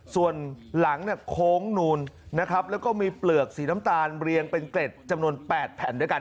ส่วนหลังเนี่ยโค้งนูนนะครับแล้วก็มีเปลือกสีน้ำตาลเรียงเป็นเกร็ดจำนวน๘แผ่นด้วยกัน